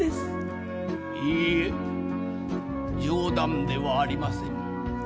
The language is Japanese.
「いいえ冗談ではありません。